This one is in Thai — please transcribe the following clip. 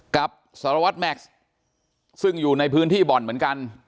กับสารวัตรแม็กซ์ซึ่งอยู่ในพื้นที่บ่อนเหมือนกัน